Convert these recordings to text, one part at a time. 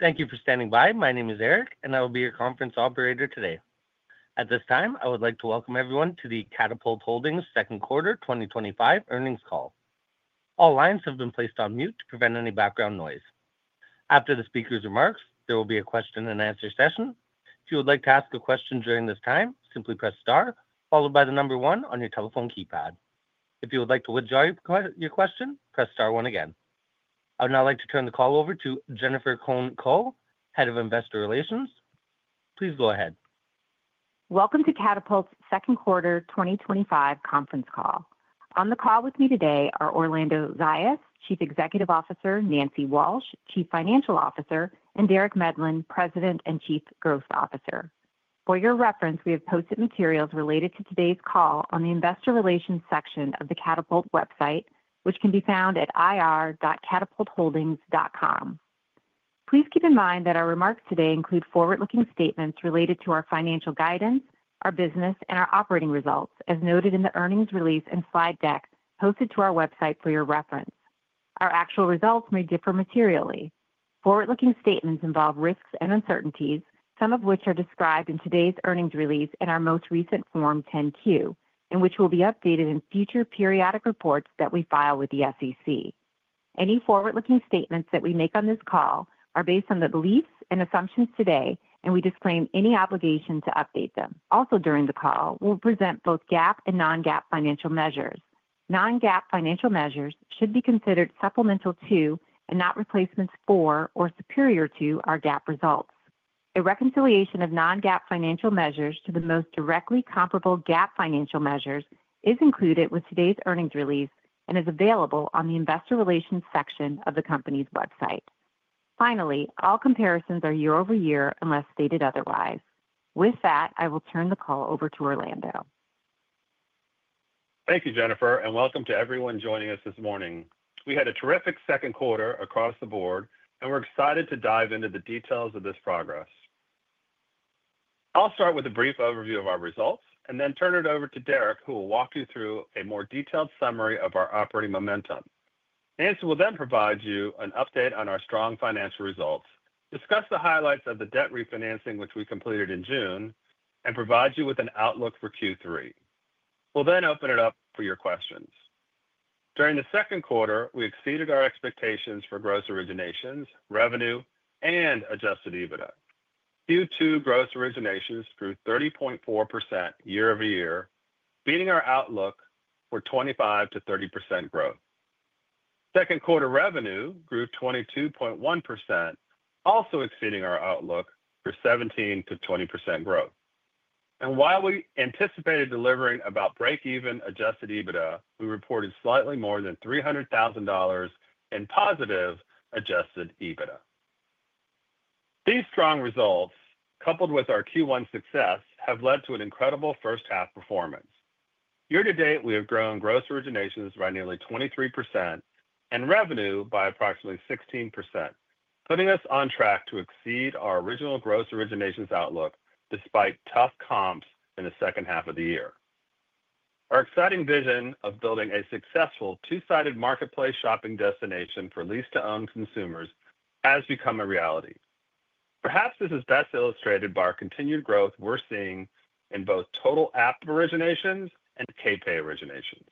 Thank you for standing by. My name is Eric, and I will be your conference operator today. At this time, I would like to welcome everyone to the Katapult Holdings Second Quarter 2025 Earnings Call. All lines have been placed on mute to prevent any background noise. After the speaker's remarks, there will be a question-and-answer session. If you would like to ask a question during this time, simply press Star, followed by the number one on your telephone keypad. If you would like to withdraw your question, press Star, one again. I would now like to turn the call over to Jennifer Kull, Head of Investor Relations. Please go ahead. Welcome to Katapult's Second Quarter 2025 Conference call. On the call with me today are Orlando Zayas, Chief Executive Officer, Nancy Walsh, Chief Financial Officer, and Derek Medlin, President and Chief Growth Officer. For your reference, we have posted materials related to today's call on the Investor Relations section of the Katapult website, which can be found at ir.katapultholdings.com. Please keep in mind that our remarks today include forward-looking statements related to our financial guidance, our business, and our operating results, as noted in the earnings release and slide deck posted to our website for your reference. Our actual results may differ materially. Forward-looking statements involve risks and uncertainties, some of which are described in today's earnings release and our most recent Form 10-Q, and which will be updated in future periodic reports that we file with the SEC. Any forward-looking statements that we make on this call are based on the beliefs and assumptions today, and we disclaim any obligation to update them. Also, during the call, we'll present both GAAP and non-GAAP financial measures. Non-GAAP financial measures should be considered supplemental to and not replacements for or superior to our GAAP results. A reconciliation of non-GAAP financial measures to the most directly comparable GAAP financial measures is included with today's earnings release and is available on the investor relations section of the company's website. Finally, all comparisons are year over year unless stated otherwise. With that, I will turn the call over to Orlando. Thank you, Jennifer, and welcome to everyone joining us this morning. We had a terrific second quarter across the board, and we're excited to dive into the details of this progress. I'll start with a brief overview of our results and then turn it over to Derek, who will walk you through a more detailed summary of our operating momentum. Nancy will then provide you an update on our strong financial results, discuss the highlights of the debt refinancing, which we completed in June, and provide you with an outlook for Q3. We'll then open it up for your questions. During the second quarter, we exceeded our expectations for gross originations, revenue, and adjusted EBITDA. Q2 gross originations grew 30.4% year-over-year, beating our outlook for 25%-30% growth. Second quarter revenue grew 22.1%, also exceeding our outlook for 17%-20% growth. While we anticipated delivering about breakeven adjusted EBITDA, we reported slightly more than $300,000 in positive adjusted EBITDA. These strong results, coupled with our Q1 success, have led to an incredible first-half performance. Year to date, we have grown gross originations by nearly 23% and revenue by approximately 16%, putting us on track to exceed our original gross originations outlook despite tough comps in the second half of the year. Our exciting vision of building a successful two-sided marketplace shopping destination for lease-to-own consumers has become a reality. Perhaps this is best illustrated by our continued growth we're seeing in both total app originations and KPay originations.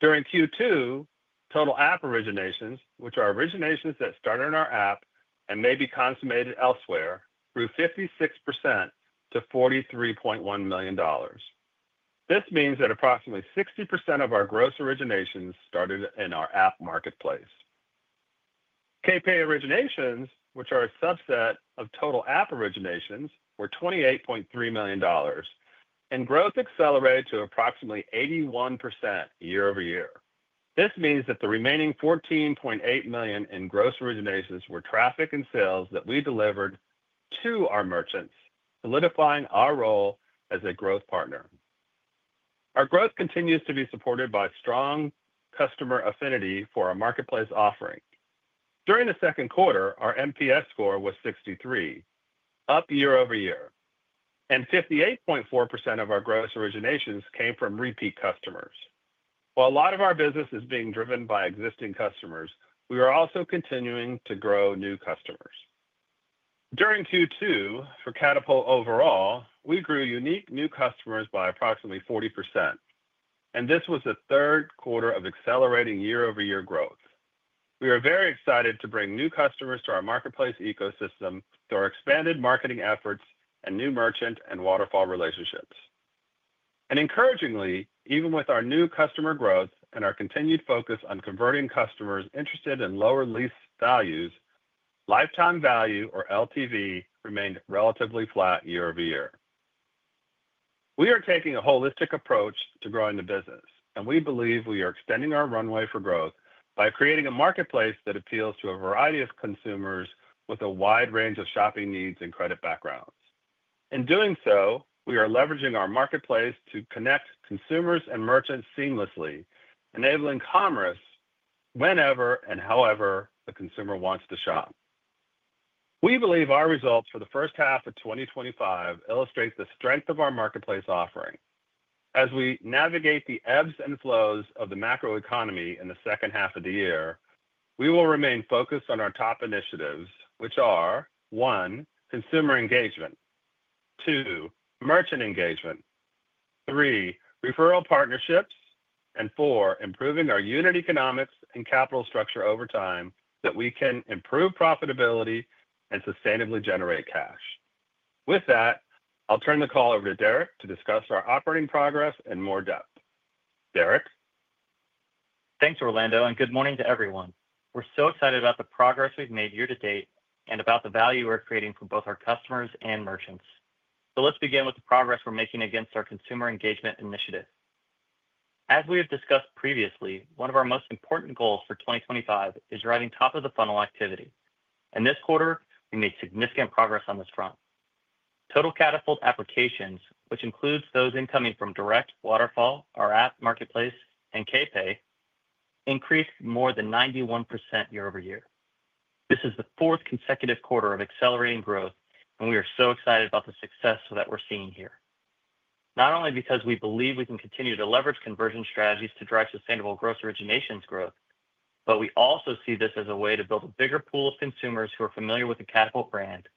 During Q2, total app originations, which are originations that started in our app and may be consummated elsewhere, grew 56% to $43.1 million. This means that approximately 60% of our gross originations started in our app marketplace. KPay originations, which are a subset of total app originations, were $28.3 million, and growth accelerated to approximately 81% year-over-year. This means that the remaining $14.8 million in gross originations were traffic and sales that we delivered to our merchants, solidifying our role as a growth partner. Our growth continues to be supported by strong customer affinity for our marketplace offering. During the second quarter, our NPS score was 63, up year-over-year, and 58.4% of our gross originations came from repeat customers. While a lot of our business is being driven by existing customers, we are also continuing to grow new customers. During Q2 for Katapult overall, we grew unique new customers by approximately 40%, and this was the third quarter of accelerating year-over-year growth. We are very excited to bring new customers to our marketplace ecosystem through our expanded marketing efforts and new merchant and waterfall relationships. Encouragingly, even with our new customer growth and our continued focus on converting customers interested in lower lease values, lifetime value, or LTV, remained relatively flat year-over-year. We are taking a holistic approach to growing the business, and we believe we are extending our runway for growth by creating a marketplace that appeals to a variety of consumers with a wide range of shopping needs and credit backgrounds. In doing so, we are leveraging our marketplace to connect consumers and merchants seamlessly, enabling commerce whenever and however the consumer wants to shop. We believe our results for the first half of 2025 illustrate the strength of our marketplace offering. As we navigate the ebbs and flows of the macroeconomy in the second half of the year, we will remain focused on our top initiatives, which are: one, consumer engagement; two, merchant engagement; three, referral partnerships; and four, improving our unit economics and capital structure over time so that we can improve profitability and sustainably generate cash. With that, I'll turn the call over to Derek to discuss our operating progress in more depth. Derek? Thanks, Orlando, and good morning to everyone. We're so excited about the progress we've made year to date and about the value we're creating for both our customers and merchants. Let's begin with the progress we're making against our consumer engagement initiative. As we have discussed previously, one of our most important goals for 2025 is driving top-of-the-funnel activity, and this quarter, we made significant progress on this front. Total Katapult applications, which includes those incoming from direct, waterfall, our Katapult app marketplace, and KPay, increased more than 91% year over year. This is the fourth consecutive quarter of accelerating growth, and we are so excited about the success that we're seeing here. Not only because we believe we can continue to leverage conversion strategies to drive sustainable gross originations growth, but we also see this as a way to build a bigger pool of consumers who are familiar with the Katapult brand,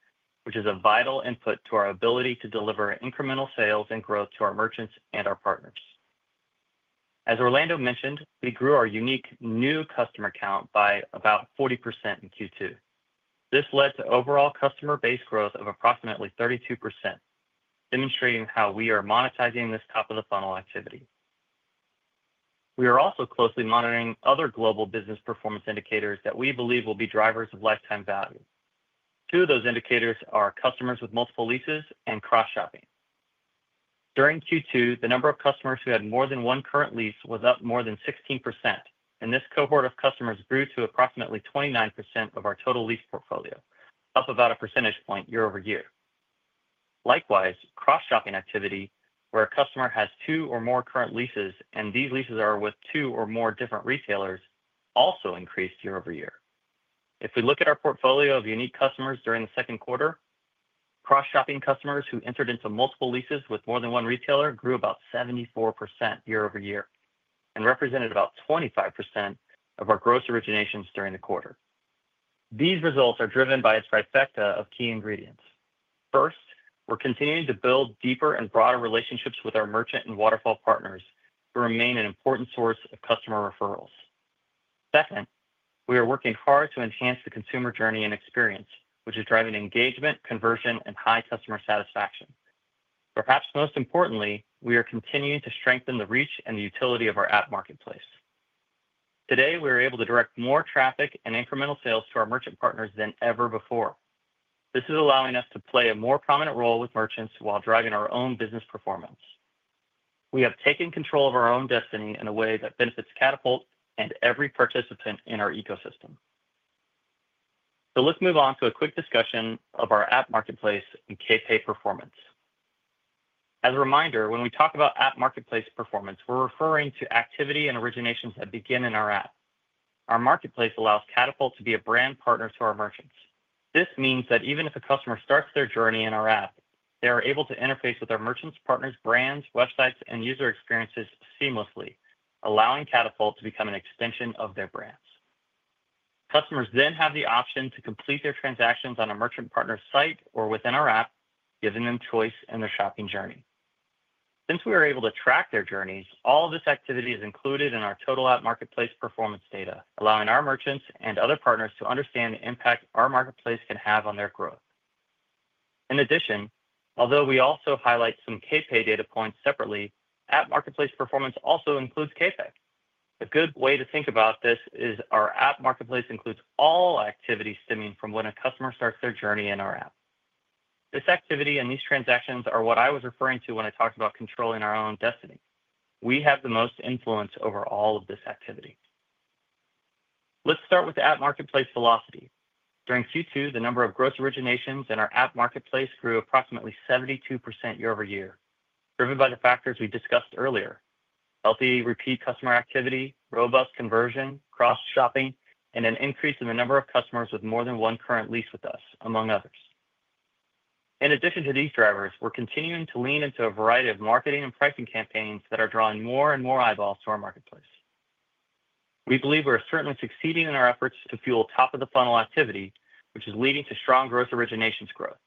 which is a vital input to our ability to deliver incremental sales and growth to our merchants and our partners. As Orlando mentioned, we grew our unique new customer count by about 40% in Q2. This led to overall customer base growth of approximately 32%, demonstrating how we are monetizing this top-of-the-funnel activity. We are also closely monitoring other global business performance indicators that we believe will be drivers of lifetime value. Two of those indicators are customers with multiple leases and cross-shopping. During Q2, the number of customers who had more than one current lease was up more than 16%, and this cohort of customers grew to approximately 29% of our total lease portfolio, up about a percentage point year over year. Likewise, cross-shopping activity, where a customer has two or more current leases and these leases are with two or more different retailers, also increased year over year. If we look at our portfolio of unique customers during the second quarter, cross-shopping customers who entered into multiple leases with more than one retailer grew about 74% year over year and represented about 25% of our gross originations during the quarter. These results are driven by its trifecta of key ingredients. First, we're continuing to build deeper and broader relationships with our merchant and waterfall partners who remain an important source of customer referrals. Second, we are working hard to enhance the consumer journey and experience, which is driving engagement, conversion, and high customer satisfaction. Perhaps most importantly, we are continuing to strengthen the reach and the utility of our app marketplace. Today, we are able to direct more traffic and incremental sales to our merchant partners than ever before. This is allowing us to play a more prominent role with merchants while driving our own business performance. We have taken control of our own destiny in a way that benefits Katapult and every participant in our ecosystem. Let's move on to a quick discussion of our app marketplace and KPay performance. As a reminder, when we talk about app marketplace performance, we're referring to activity and originations that begin in our app. Our marketplace allows Katapult to be a brand partner to our merchants. This means that even if a customer starts their journey in our app, they are able to interface with our merchants, partners, brands, websites, and user experiences seamlessly, allowing Katapult to become an extension of their brands. Customers then have the option to complete their transactions on a merchant partner's site or within our app, giving them choice in their shopping journey. Since we are able to track their journeys, all of this activity is included in our total app marketplace performance data, allowing our merchants and other partners to understand the impact our marketplace can have on their growth. In addition, although we also highlight some KPay data points separately, app marketplace performance also includes KPay. A good way to think about this is our app marketplace includes all activity stemming from when a customer starts their journey in our app. This activity and these transactions are what I was referring to when I talked about controlling our own destiny. We have the most influence over all of this activity. Let's start with the app marketplace velocity. During Q2, the number of gross originations in our app marketplace grew approximately 72% year-over-year, driven by the factors we discussed earlier: healthy repeat customer activity, robust conversion, cross-shopping, and an increase in the number of customers with more than one current lease with us, among others. In addition to these drivers, we're continuing to lean into a variety of marketing and pricing campaigns that are drawing more and more eyeballs to our marketplace. We believe we're certainly succeeding in our efforts to fuel top-of-the-funnel activity, which is leading to strong gross originations growth.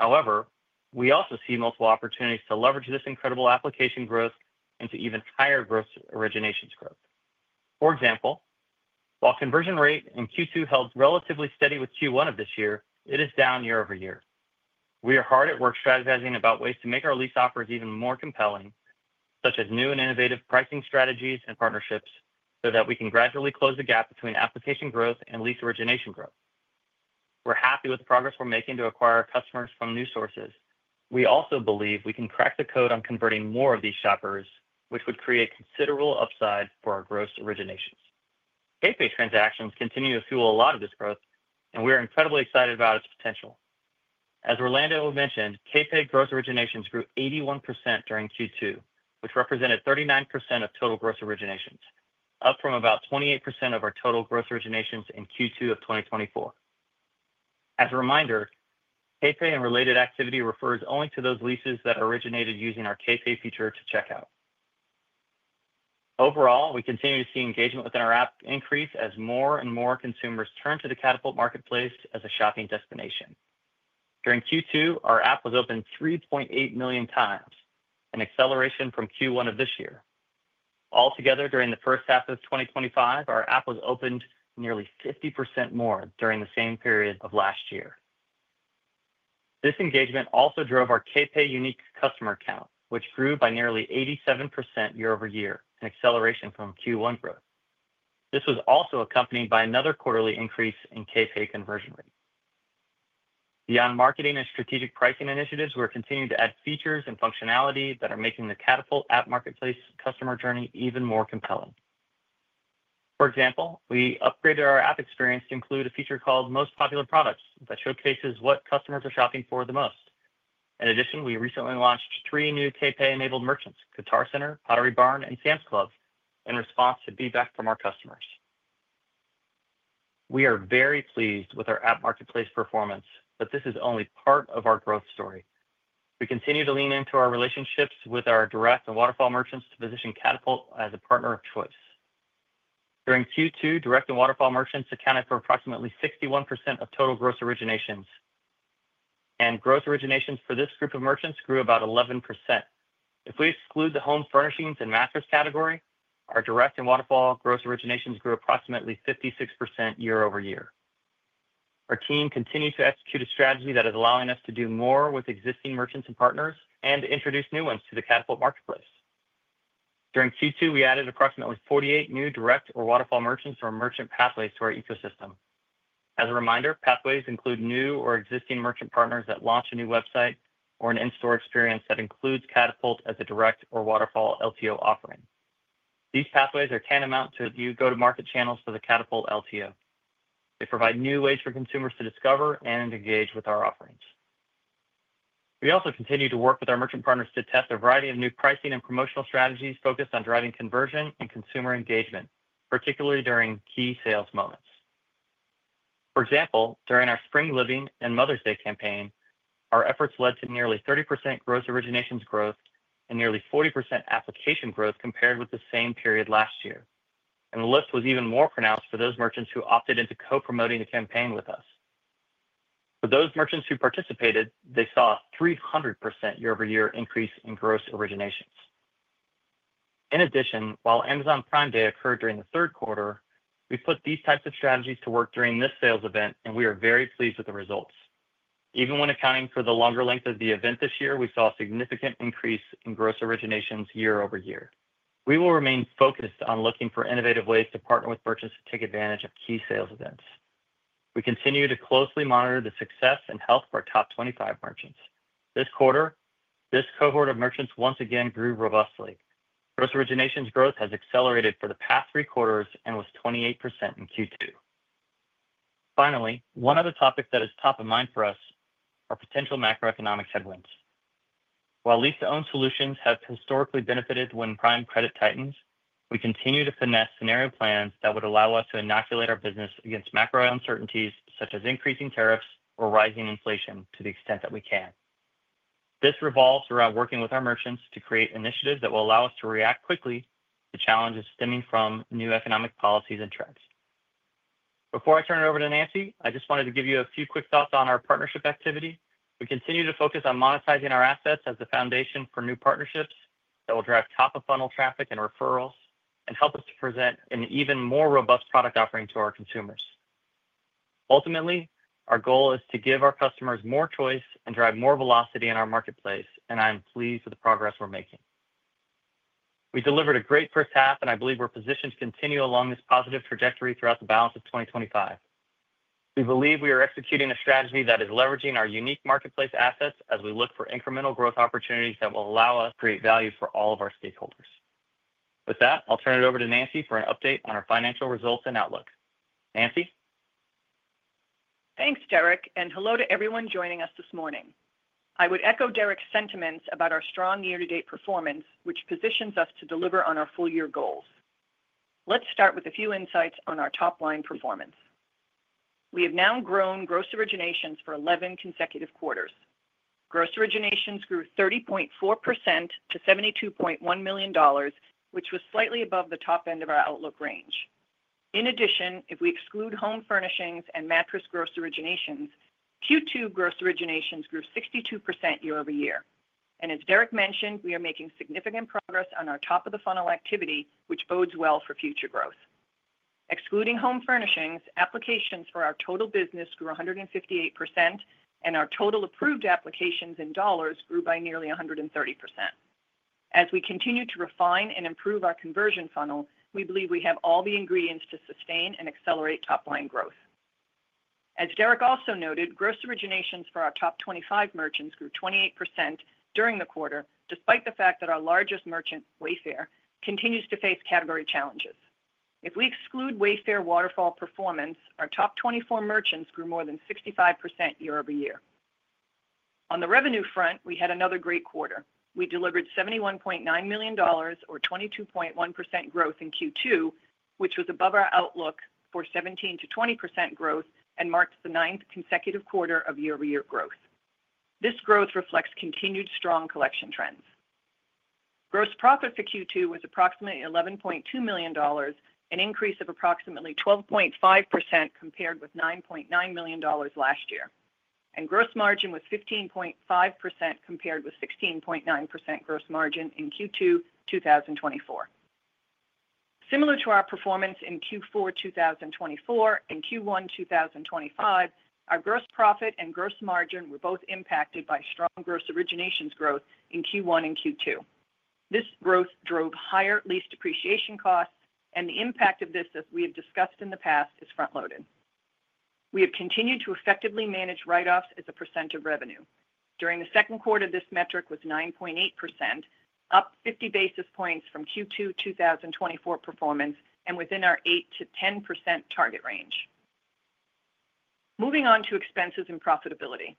However, we also see multiple opportunities to leverage this incredible application growth into even higher gross originations growth. For example, while conversion rate in Q2 held relatively steady with Q1 of this year, it is down year-over-year. We are hard at work strategizing about ways to make our lease offers even more compelling, such as new and innovative pricing strategies and partnerships, so that we can gradually close the gap between application growth and lease origination growth. We're happy with the progress we're making to acquire customers from new sources. We also believe we can crack the code on converting more of these shoppers, which would create considerable upside for our gross originations. KPay transactions continue to fuel a lot of this growth, and we are incredibly excited about its potential. As Orlando mentioned, KPay gross originations grew 81% during Q2, which represented 39% of total gross originations, up from about 28% of our total gross originations in Q2 of 2024. As a reminder, KPay and related activity refers only to those leases that originated using our KPay feature to check out. Overall, we continue to see engagement within our app increase as more and more consumers turn to the Katapult app marketplace as a shopping destination. During Q2, our app was opened 3.8 million times, an acceleration from Q1 of this year. Altogether, during the first half of 2025, our app was opened nearly 50% more during the same period of last year. This engagement also drove our KPay unique customer count, which grew by nearly 87% year-over-year, an acceleration from Q1 growth. This was also accompanied by another quarterly increase in KPay conversion rate. Beyond marketing and strategic pricing initiatives, we're continuing to add features and functionality that are making the Katapult app marketplace customer journey even more compelling. For example, we upgraded our app experience to include a feature called Most Popular Products that showcases what customers are shopping for the most. In addition, we recently launched three new KPay-enabled merchants: Guitar Center, Pottery Barn, and Sam's Club, in response to feedback from our customers. We are very pleased with our app marketplace performance, but this is only part of our growth story. We continue to lean into our relationships with our direct and waterfall merchants to position Katapult as a partner of choice. During Q2, direct and waterfall merchants accounted for approximately 61% of total gross originations, and gross originations for this group of merchants grew about 11%. If we exclude the home furnishings and mattress category, our direct and waterfall gross originations grew approximately 56% year-over-year. Our team continues to execute a strategy that is allowing us to do more with existing merchants and partners and introduce new ones to the Katapult app marketplace. During Q2, we added approximately 48 new direct or waterfall merchants to our merchant pathways to our ecosystem. As a reminder, pathways include new or existing merchant partners that launch a new website or an in-store experience that includes Katapult as a direct or waterfall lease-to-own LTO offering. These pathways are tantamount to new go-to-market channels for the Katapult LTO. They provide new ways for consumers to discover and engage with our offerings. We also continue to work with our merchant partners to test a variety of new pricing and promotional strategies focused on driving conversion and consumer engagement, particularly during key sales moments. For example, during our Spring Living and Mother's Day campaign, our efforts led to nearly 30% gross originations growth and nearly 40% application growth compared with the same period last year. The lift was even more pronounced for those merchants who opted into co-promoting the campaign with us. For those merchants who participated, they saw a 300% year-over-year increase in gross originations. In addition, while Amazon Prime Day occurred during the third quarter, we put these types of strategies to work during this sales event, and we are very pleased with the results. Even when accounting for the longer length of the event this year, we saw a significant increase in gross originations year-over-year. We will remain focused on looking for innovative ways to partner with merchants to take advantage of key sales events. We continue to closely monitor the success and health of our top 25 merchants. This quarter, this cohort of merchants once again grew robustly. Gross originations growth has accelerated for the past three quarters and was 28% in Q2. Finally, one other topic that is top of mind for us are potential macroeconomic headwinds. While lease-to-own solutions have historically benefited when prime credit tightens, we continue to finesse scenario plans that would allow us to inoculate our business against macro uncertainties such as increasing tariffs or rising inflation to the extent that we can. This revolves around working with our merchants to create initiatives that will allow us to react quickly to challenges stemming from new economic policies and trends. Before I turn it over to Nancy, I just wanted to give you a few quick thoughts on our partnership activity. We continue to focus on monetizing our assets as the foundation for new partnerships that will drive top-of-the-funnel traffic and referrals and help us to present an even more robust product offering to our consumers. Ultimately, our goal is to give our customers more choice and drive more velocity in our marketplace, and I am pleased with the progress we're making. We delivered a great first half, and I believe we're positioned to continue along this positive trajectory throughout the balance of 2025. We believe we are executing a strategy that is leveraging our unique marketplace assets as we look for incremental growth opportunities that will allow us to create value for all of our stakeholders. With that, I'll turn it over to Nancy for an update on our financial results and outlook. Nancy. Thanks, Derek, and hello to everyone joining us this morning. I would echo Derek's sentiments about our strong year-to-date performance, which positions us to deliver on our full-year goals. Let's start with a few insights on our top-line performance. We have now grown gross originations for 11 consecutive quarters. Gross originations grew 30.4% to $72.1 million, which was slightly above the top end of our outlook range. In addition, if we exclude home furnishings and mattress gross originations, Q2 gross originations grew 62% year-over-year. As Derek mentioned, we are making significant progress on our top-of-the-funnel activity, which bodes well for future growth. Excluding home furnishings, applications for our total business grew 158%, and our total approved applications in dollars grew by nearly 130%. As we continue to refine and improve our conversion funnel, we believe we have all the ingredients to sustain and accelerate top-line growth. As Derek also noted, gross originations for our top 25 merchants grew 28% during the quarter, despite the fact that our largest merchant, Wayfair, continues to face category challenges. If we exclude Wayfair waterfall performance, our top 24 merchants grew more than 65% year-over-year. On the revenue front, we had another great quarter. We delivered $71.9 million, or 22.1% growth in Q2, which was above our outlook for 17%- 20% growth and marked the ninth consecutive quarter of year-over-year growth. This growth reflects continued strong collection trends. Gross profit for Q2 was approximately $11.2 million, an increase of approximately 12.5% compared with $9.9 million last year. Gross margin was 15.5% compared with 16.9% gross margin in Q2 2024. Similar to our performance in Q4 2024 and Q1 2025, our gross profit and gross margin were both impacted by strong gross originations growth in Q1 and Q2. This growth drove higher lease depreciation costs, and the impact of this, as we have discussed in the past, is front-loaded. We have continued to effectively manage write-offs as a percent of revenue. During the second quarter, this metric was 9.8%, up 50 basis points from Q2 2024 performance and within our 8%-10% target range. Moving on to expenses and profitability.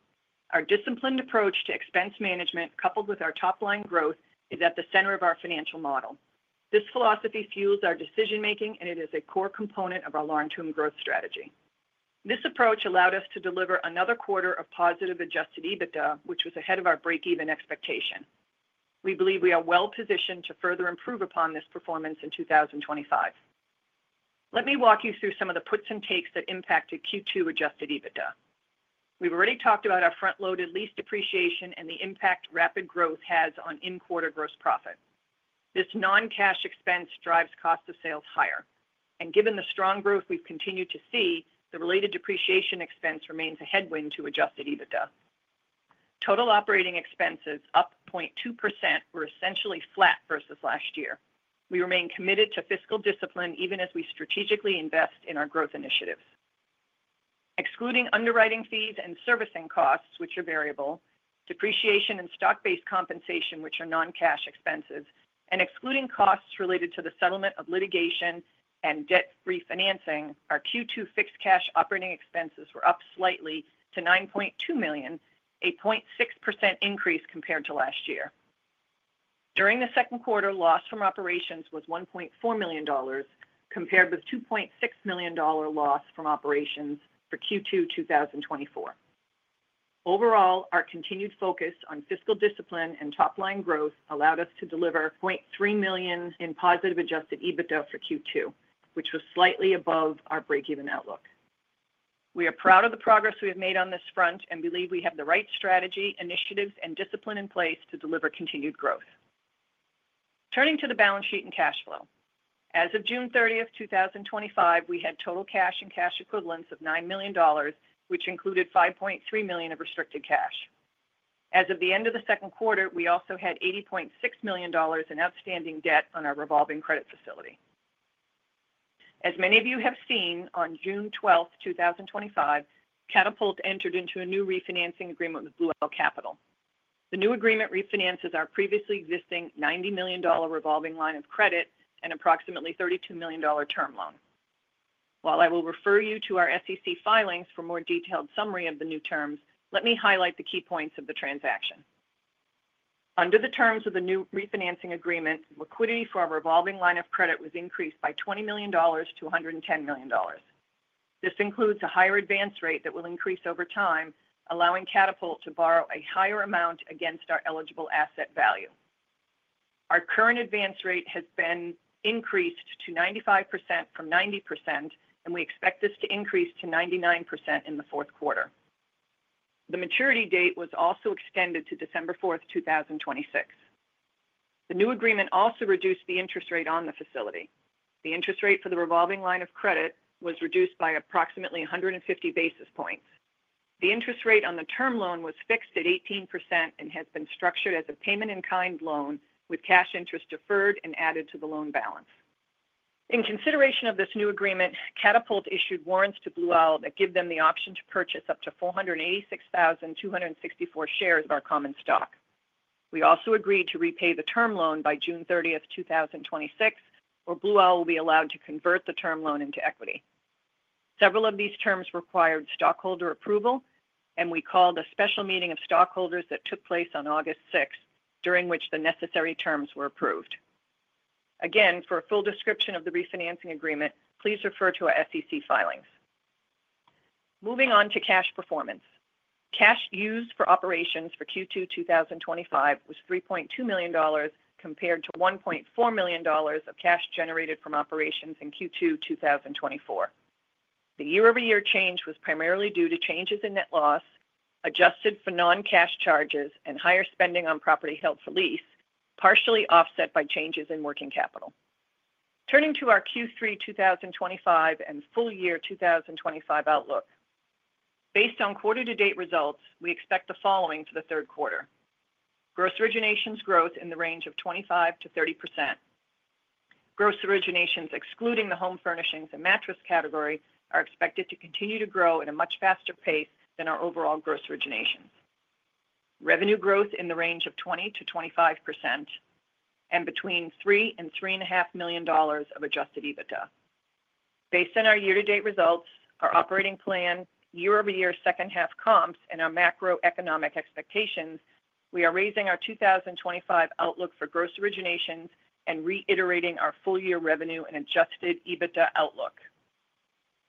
Our disciplined approach to expense management, coupled with our top-line growth, is at the center of our financial model. This philosophy fuels our decision-making, and it is a core component of our long-term growth strategy. This approach allowed us to deliver another quarter of positive adjusted EBITDA, which was ahead of our breakeven expectation. We believe we are well positioned to further improve upon this performance in 2025. Let me walk you through some of the puts and takes that impacted Q2 adjusted EBITDA. We've already talked about our front-loaded lease depreciation and the impact rapid growth has on in-quarter gross profit. This non-cash expense drives cost of sales higher. Given the strong growth we've continued to see, the related depreciation expense remains a headwind to adjusted EBITDA. Total operating expenses, up 0.2%, were essentially flat versus last year. We remain committed to fiscal discipline even as we strategically invest in our growth initiatives. Excluding underwriting fees and servicing costs, which are variable, depreciation and stock-based compensation, which are non-cash expenses, and excluding costs related to the settlement of litigation and debt refinancing, our Q2 fixed cash operating expenses were up slightly to $9.2 million, a 0.6% increase compared to last year. During the second quarter, loss from operations was $1.4 million compared with a $2.6 million loss from operations for Q2 2024. Overall, our continued focus on fiscal discipline and top-line growth allowed us to deliver $0.3 million in positive adjusted EBITDA for Q2, which was slightly above our breakeven outlook. We are proud of the progress we have made on this front and believe we have the right strategy, initiatives, and discipline in place to deliver continued growth. Turning to the balance sheet and cash flow. As of June 30th, 2025, we had total cash and cash equivalents of $9 million, which included $5.3 million of restricted cash. As of the end of the second quarter, we also had $80.6 million in outstanding debt on our revolving credit facility. As many of you have seen, on June 12th, 2025, Katapult entered into a new refinancing agreement with Blue Owl Capital. The new agreement refinances our previously existing $90 million revolving line of credit and approximately $32 million term loan. While I will refer you to our SEC filings for a more detailed summary of the new terms, let me highlight the key points of the transaction. Under the terms of the new refinancing agreement, liquidity for our revolving line of credit was increased by $20 million-$110 million. This includes a higher advance rate that will increase over time, allowing Katapult to borrow a higher amount against our eligible asset value. Our current advance rate has been increased to 95% from 90%, and we expect this to increase to 99% in the fourth quarter. The maturity date was also extended to December 4th, 2026. The new agreement also reduced the interest rate on the facility. The interest rate for the revolving line of credit was reduced by approximately 150 basis points. The interest rate on the term loan was fixed at 18% and has been structured as a payment-in-kind loan with cash interest deferred and added to the loan balance. In consideration of this new agreement, Katapult issued warrants to Blue Owl Capital that give them the option to purchase up to 486,264 shares of our common stock. We also agreed to repay the term loan by June 30th, 2026, or Blue Owl Capital will be allowed to convert the term loan into equity. Several of these terms required stockholder approval, and we called a special meeting of stockholders that took place on August 6th, during which the necessary terms were approved. Again, for a full description of the refinancing agreement, please refer to our SEC filings. Moving on to cash performance. Cash used for operations for Q2 2025 was $3.2 million compared to $1.4 million of cash generated from operations in Q2 2024. The year-over-year change was primarily due to changes in net loss, adjusted for non-cash charges, and higher spending on property held for lease, partially offset by changes in working capital. Turning to our Q3 2025 and full-year 2025 outlook. Based on quarter-to-date results, we expect the following for the third quarter: Gross originations growth in the range of 25%-30%. Gross originations, excluding the home furnishings and mattress category, are expected to continue to grow at a much faster pace than our overall gross originations. Revenue growth in the range of 20%-25% and between $3 million and $3.5 million of adjusted EBITDA. Based on our year-to-date results, our operating plan, year-over-year second-half comps, and our macroeconomic expectations, we are raising our 2025 outlook for gross originations and reiterating our full-year revenue and adjusted EBITDA outlook.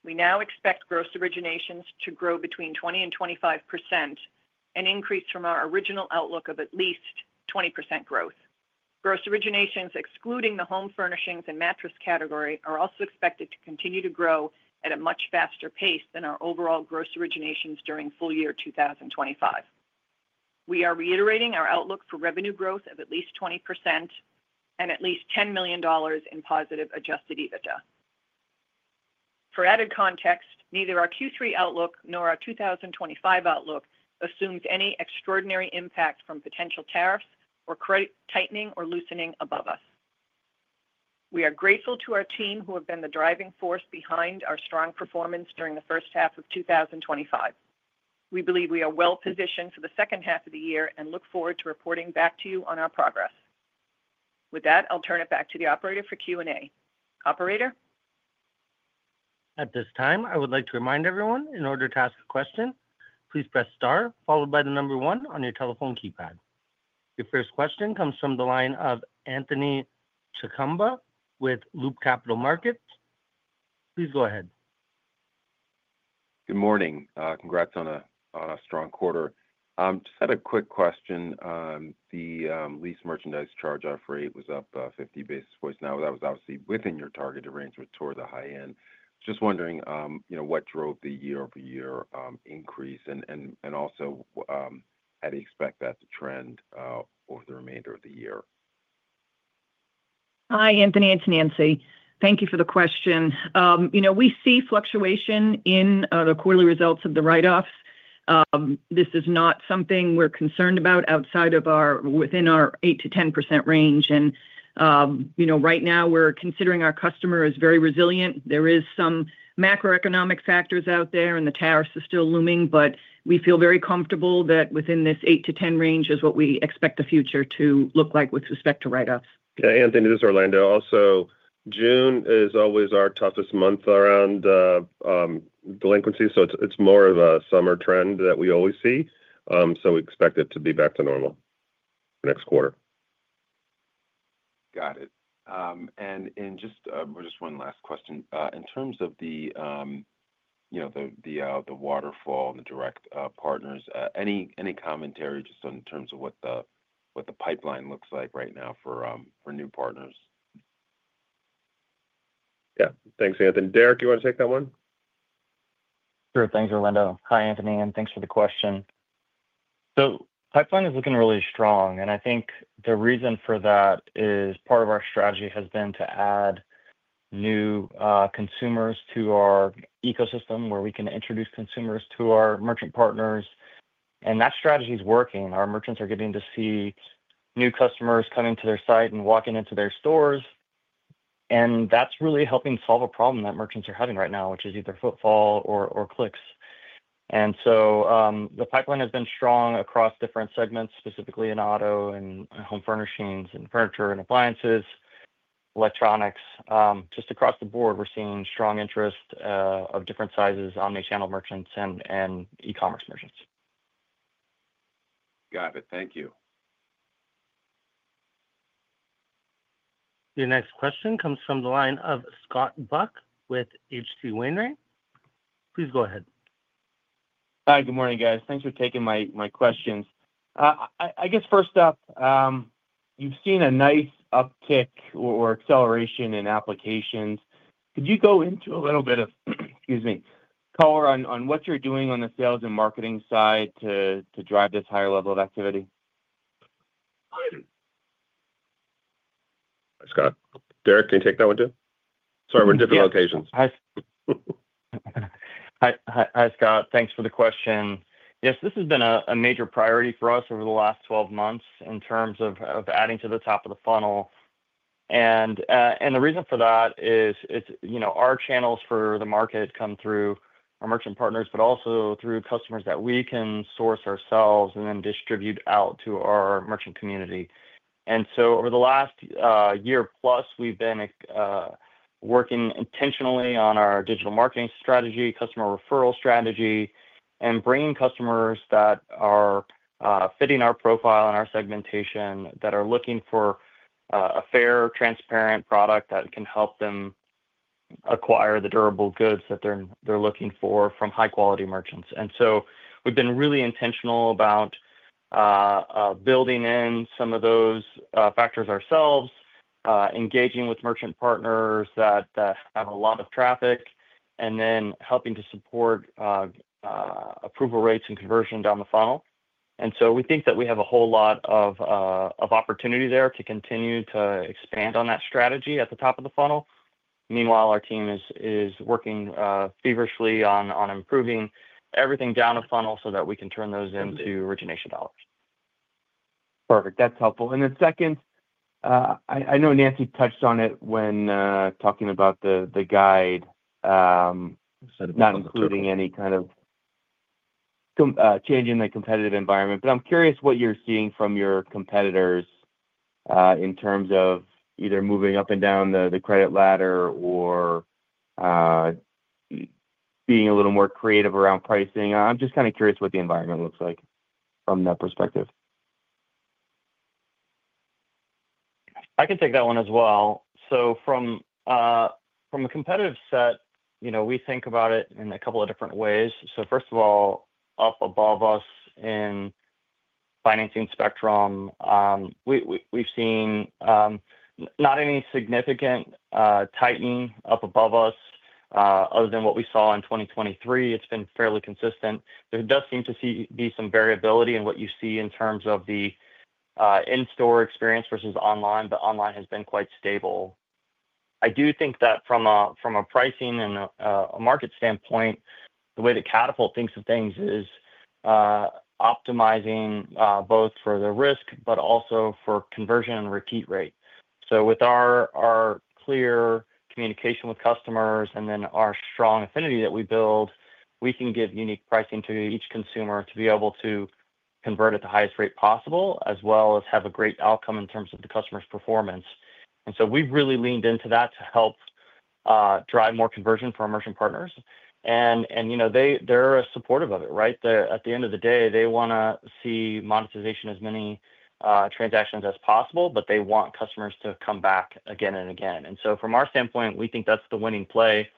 We now expect gross originations to grow between 20% and 25%, an increase from our original outlook of at least 20% growth. Gross originations, excluding the home furnishings and mattress category, are also expected to continue to grow at a much faster pace than our overall gross originations during full-year 2025. We are reiterating our outlook for revenue growth of at least 20% and at least $10 million in positive adjusted EBITDA. For added context, neither our Q3 outlook nor our 2025 outlook assumes any extraordinary impact from potential tariffs or credit tightening or loosening above us. We are grateful to our team who have been the driving force behind our strong performance during the first half of 2025. We believe we are well positioned for the second half of the year and look forward to reporting back to you on our progress. With that, I'll turn it back to the operator for Q&A. Operator? At this time, I would like to remind everyone, in order to ask a question, please press Star, followed by the number one on your telephone keypad. Your first question comes from the line of Anthony Chukumba with Loop Capital Markets. Please go ahead. Good morning. Congrats on a strong quarter. I just had a quick question. The lease merchandise charge-off rate was up 50 basis points now. That was obviously within your targeted range, which is toward the high end. Just wondering, you know, what drove the year-over-year increase and also how do you expect that to trend over the remainder of the year? Hi, Anthony. It's Nancy. Thank you for the question. We see fluctuation in the quarterly results of the write-offs. This is not something we're concerned about outside of our within our 8%-10% range. Right now we're considering our customer is very resilient. There are some macroeconomic factors out there and the tariffs are still looming, but we feel very comfortable that within this 8%-10% range is what we expect the future to look like with respect to write-offs. Yeah, Anthony, this is Orlando. June is always our toughest month around delinquency, so it's more of a summer trend that we always see. We expect it to be back to normal for next quarter. Got it. Just one last question. In terms of the waterfall and the direct partners, any commentary in terms of what the pipeline looks like right now for new partners? Yeah, thanks, Anthony. Derek, you want to take that one? Sure. Thanks, Orlando. Hi, Anthony, and thanks for the question. The pipeline is looking really strong, and I think the reason for that is part of our strategy has been to add new consumers to our ecosystem where we can introduce consumers to our merchant partners. That strategy is working. Our merchants are getting to see new customers come into their site and walking into their stores. That is really helping solve a problem that merchants are having right now, which is either footfall or clicks. The pipeline has been strong across different segments, specifically in auto and home furnishings and furniture and appliances, electronics. Just across the board, we're seeing strong interest of different sizes, omnichannel merchants and e-commerce merchants. Got it. Thank you. Your next question comes from the line of Scott Buck with H.C. Wainwright. Please go ahead. Hi, good morning, guys. Thanks for taking my questions. I guess first up, you've seen a nice uptick or acceleration in applications. Could you go into a little bit of color on what you're doing on the sales and marketing side to drive this higher level of activity? Hi, Scott. Derek, can you take that one too? Sorry, we're in different locations. Hi, Scott. Thanks for the question. Yes, this has been a major priority for us over the last 12 months in terms of adding to the top of the funnel. The reason for that is, you know, our channels for the market come through our merchant partners, but also through customers that we can source ourselves and then distribute out to our merchant community. Over the last year plus, we've been working intentionally on our digital marketing strategy, customer referral strategy, and bringing customers that are fitting our profile and our segmentation that are looking for a fair, transparent product that can help them acquire the durable goods that they're looking for from high-quality merchants. We've been really intentional about building in some of those factors ourselves, engaging with merchant partners that have a lot of traffic, and then helping to support approval rates and conversion down the funnel. We think that we have a whole lot of opportunity there to continue to expand on that strategy at the top of the funnel. Meanwhile, our team is working feverishly on improving everything down the funnel so that we can turn those into origination dollars. That's helpful. Second, I know Nancy touched on it when talking about the guide, not including any kind of change in the competitive environment. I'm curious what you're seeing from your competitors in terms of either moving up and down the credit ladder or being a little more creative around pricing. I'm just kind of curious what the environment looks like from that perspective. I can take that one as well. From a competitive set, we think about it in a couple of different ways. First of all, up above us in the financing spectrum, we've seen not any significant tightening up above us, other than what we saw in 2023. It's been fairly consistent. There does seem to be some variability in what you see in terms of the in-store experience versus online, but online has been quite stable. I do think that from a pricing and a market standpoint, the way that Katapult thinks of things is optimizing both for the risk, but also for conversion and repeat rate. With our clear communication with customers and then our strong affinity that we build, we can give unique pricing to each consumer to be able to convert at the highest rate possible, as well as have a great outcome in terms of the customer's performance. We've really leaned into that to help drive more conversion for our merchant partners. They're supportive of it, right? At the end of the day, they want to see monetization as many transactions as possible, but they want customers to come back again and again. From our standpoint, we think that's the winning play.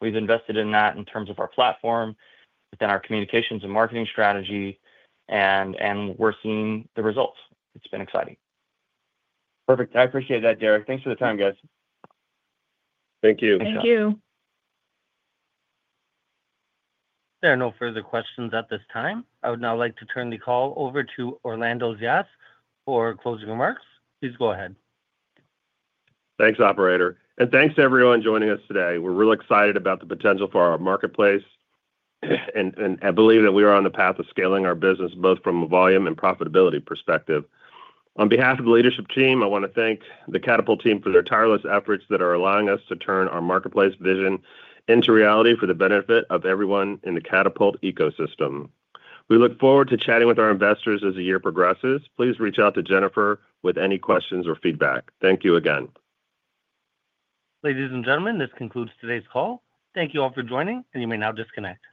We've invested in that in terms of our platform, within our communications and marketing strategy, and we're seeing the results. It's been exciting. Perfect. I appreciate that, Derek. Thanks for the time, guys. Thank you. Thank you. There are no further questions at this time. I would now like to turn the call over to Orlando Zayas for closing remarks. Please go ahead. Thanks, operator. Thanks to everyone joining us today. We're really excited about the potential for our marketplace, and I believe that we are on the path of scaling our business both from a volume and profitability perspective. On behalf of the leadership team, I want to thank the Katapult team for their tireless efforts that are allowing us to turn our marketplace vision into reality for the benefit of everyone in the Katapult ecosystem. We look forward to chatting with our investors as the year progresses. Please reach out to Jennifer with any questions or feedback. Thank you again. Ladies and gentlemen, this concludes today's call. Thank you all for joining, and you may now disconnect.